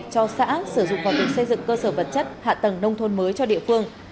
cho xã sử dụng vào việc xây dựng cơ sở vật chất hạ tầng nông thôn mới cho địa phương